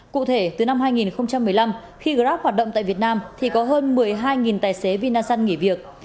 cụ thể từ năm hai nghìn một mươi năm khi grab hoạt động tại việt nam thì có hơn một mươi hai tài xế vinasun nghỉ việc